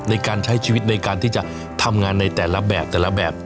ในการใช้ชีวิตในการที่จะทำงานในแต่ละแบบแต่ละแบบ